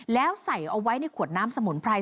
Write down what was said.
แล้วใส่เอาไว้ในขวดน้ำสมุนไพร